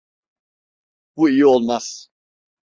Bu iyi olmaz.